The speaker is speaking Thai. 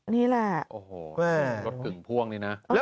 นี่แหละ